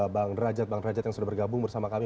bang rajat bang rajat yang sudah bergabung bersama kami